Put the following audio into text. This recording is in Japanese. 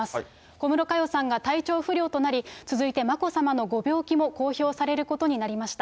小室佳代さんが体調不良となり、続いて眞子さまのご病気も公表されることになりました。